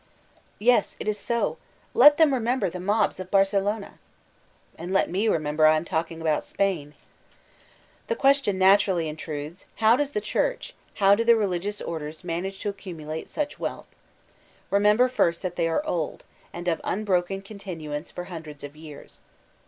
Yes, it is so; let them remember the mobs of Barce lona! And let me remember I am talking about Spain! The question naturally intrudes, How does the Churdi, how do the religious orders manage to accumulate such wealth? Remember first that they are old, and of un« broken continuance for hundreds of years.